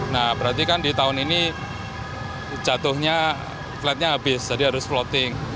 nah berarti kan di tahun ini jatuhnya flat nya habis jadi harus floating